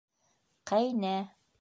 Ҡәйнә.